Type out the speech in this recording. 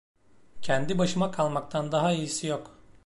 Kendi başıma kalmaktan daha iyisi yok.